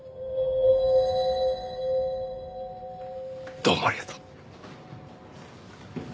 どうもありがとう。